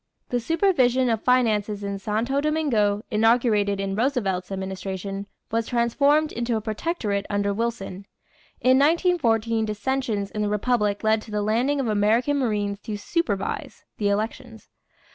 The supervision of finances in Santo Domingo, inaugurated in Roosevelt's administration, was transformed into a protectorate under Wilson. In 1914 dissensions in the republic led to the landing of American marines to "supervise" the elections.